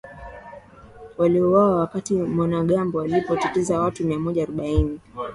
waliouawa wakati wanamgambo walipoteza watu miamoja arobaini